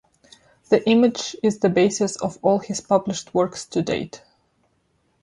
The image is the basis of all his published works to date.